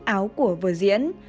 áo của vừa diễn